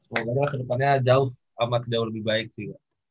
kalau gak ada kedepannya jauh amat jauh lebih baik sih